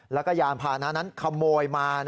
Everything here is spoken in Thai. แล้วก็ยานพานะนั้นขโมยมา